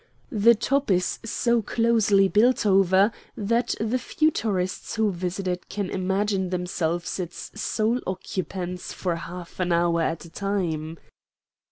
The top is so closely built over that the few tourists who visit it can imagine themselves its sole occupants for a half hour at a time.